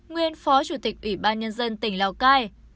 nguyên phó chủ tịch ủy ban nhân dân tỉnh lào cai